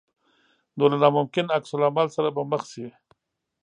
نو له ناممکن عکس العمل سره به مخ شې.